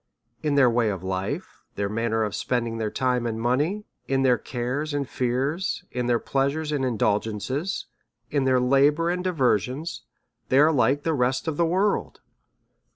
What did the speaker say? In tlieir way of life, their manner of spending their time and money, in their cares and fears, in their pleasures and indulgences, in their la bours and diversions, they arc like the rest of the world.